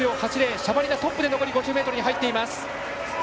シャバリナトップで残り５０ｍに入っています。